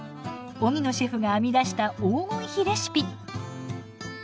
荻野シェフが編み出した黄金比レシピ。